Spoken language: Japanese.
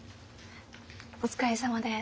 お疲れさまです。